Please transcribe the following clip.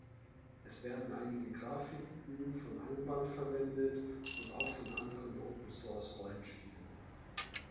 Es werden einige Grafiken von "Angband" verwendet, und auch von anderen Open-Source-Rollenspielen.